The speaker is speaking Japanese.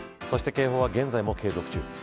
そして警報は現在も継続中。